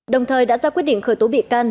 đồng thời đã ra quyết định khởi tố bị can